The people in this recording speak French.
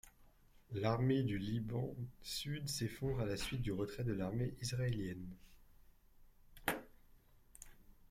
L'armée du Liban Sud s'effondre à la suite du retrait de l'armée israélienne.